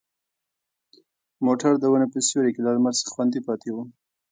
موټر د ونې په سیوري کې له لمر څخه خوندي پاتې و.